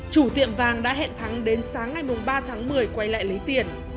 chủ tiệm vàng đã hẹn thắng đến sáng ngày ba tháng một mươi quay lại lấy tiền